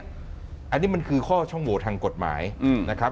อันนี้มันคือข้อช่องโหวตทางกฎหมายนะครับ